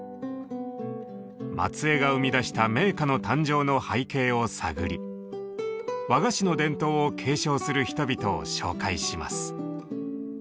松江が生み出した銘菓の誕生の背景を探り和菓子の伝統を継承する人々を紹介します。